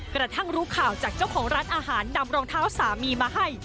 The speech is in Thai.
กระทั่งรู้ข่าวจากเจ้าของร้านอาหารนำรองเท้าสามีมาให้